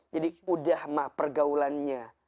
jadi sudah mah pergaulannya